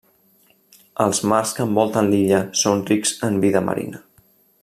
Els mars que envolten l'illa són rics en vida marina.